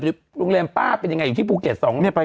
แฟฟอล์โรงแหลมปะเป็นอย่างไรอยู่ที่ภูเกษ๒รี่